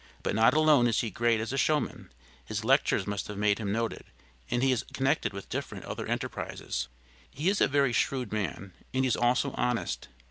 But not alone is he great as a showman; his lectures must have made him noted, and he is connected with different other enterprises. He is a very shrewd man, and is also honest.